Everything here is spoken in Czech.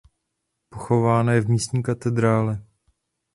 Pochována je v místní katedrále.